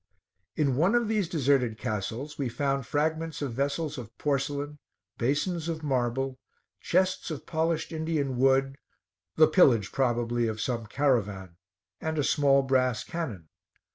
In one of these deserted castles, we found fragments of vessels of porcelain, basins of marble, chests of polished Indian wood, the pillage probably of some caravan, and a small brass cannon.